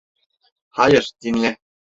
Hayır, dinle.